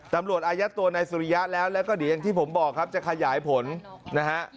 อายัดตัวนายสุริยะแล้วแล้วก็เดี๋ยวอย่างที่ผมบอกครับจะขยายผลนะฮะ